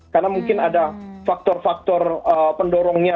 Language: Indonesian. karena mungkin ada faktor faktor pendorongnya